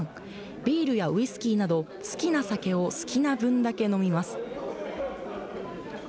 ビールやウイスキーなど好きな酒を好きな分だけ飲みます。